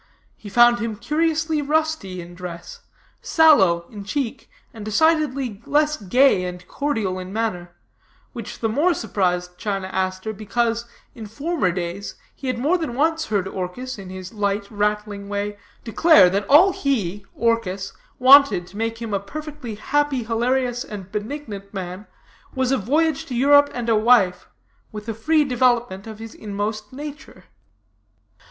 He found him curiously rusty in dress, sallow in cheek, and decidedly less gay and cordial in manner, which the more surprised China Aster, because, in former days, he had more than once heard Orchis, in his light rattling way, declare that all he (Orchis) wanted to make him a perfectly happy, hilarious, and benignant man, was a voyage to Europe and a wife, with a free development of his inmost nature.